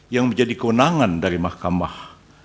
yang menjadi kewenangan dari mahkamah